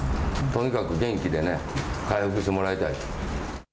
とにかく元気で回復してもらいたい。